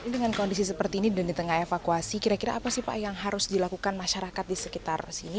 dengan kondisi seperti ini dan di tengah evakuasi kira kira apa sih pak yang harus dilakukan masyarakat di sekitar sini